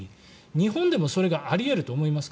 日本でもそれがあり得ると思いますか？